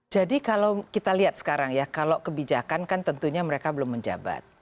jadi kalau kita lihat sekarang ya kalau kebijakan kan tentunya mereka belum menjabat